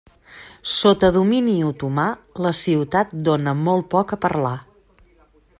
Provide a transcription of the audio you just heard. Sota domini otomà la ciutat dóna molt poc a parlar.